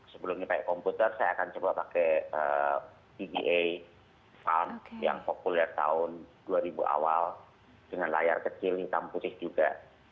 sebelumnya pakai komputer saya akan coba pakai tga farm yang populer tahun dua ribu awal dengan layar kecil hitam putih juga